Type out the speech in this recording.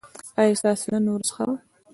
ایا ستاسو نن ورځ ښه وه؟